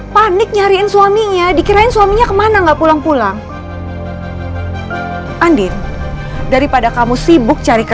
panik nyariin suaminya dikirain suaminya ke police